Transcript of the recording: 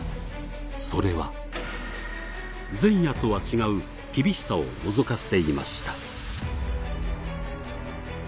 それは前夜とは違う厳しさをのぞかせていました